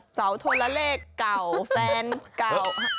เสาโทรเลขเก่าแฟนเก่า